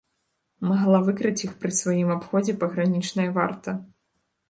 Магла выкрыць іх пры сваім абходзе пагранічная варта.